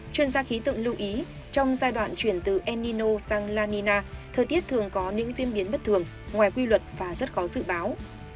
chuyên gia khí tượng lưu ý trong giai đoạn chuyển từ enino sang la nina thời tiết thường có những diễn biến bất thường ngoài quy luật và rất khó dự báo